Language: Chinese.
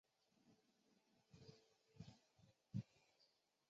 正确的数据结构选择可以提高演算法的效率。